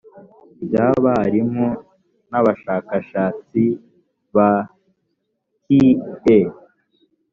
by abarimu n abashakashatsi ba kie